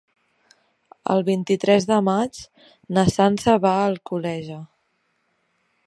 El vint-i-tres de maig na Sança va a Alcoleja.